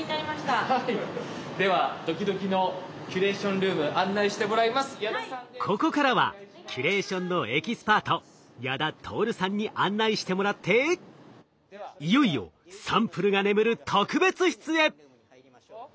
ではドキドキのここからはキュレーションのエキスパート矢田達さんに案内してもらっていよいよサンプルが眠る特別室へ！